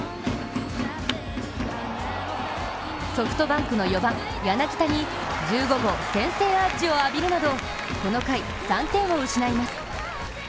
ソフトバンクの４番・柳田に１５号先制アーチを浴びるなどこの回、３点を失います。